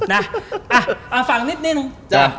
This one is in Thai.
นี่ฟังนิด